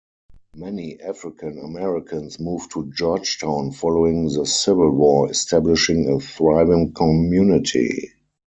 Many African Americans moved to Georgetown following the Civil War, establishing a thriving community.